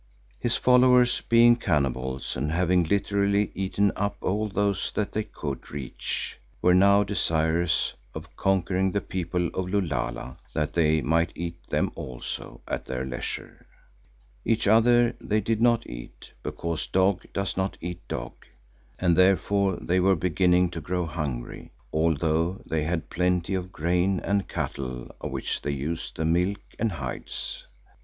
His followers being cannibals and having literally eaten up all those that they could reach, were now desirous of conquering the people of Lulala that they might eat them also at their leisure. Each other they did not eat, because dog does not eat dog, and therefore they were beginning to grow hungry, although they had plenty of grain and cattle of which they used the milk and hides.